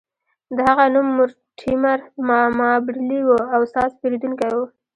د هغه نوم مورټیمر مابرلي و او ستاسو پیرودونکی و